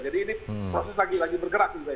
jadi ini proses lagi bergerak